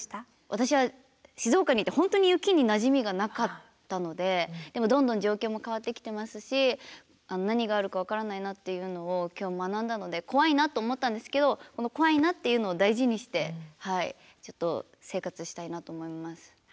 私は静岡にいて本当に雪になじみがなかったのででもどんどん状況も変わってきてますし何があるか分からないなっていうのを今日学んだので怖いなと思ったんですけどこの怖いなっていうのを大事にしてちょっと生活したいなと思います。